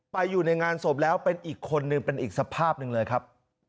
อยู่ในงานศพแล้วเป็นอีกคนนึงเป็นอีกสภาพหนึ่งเลยครับ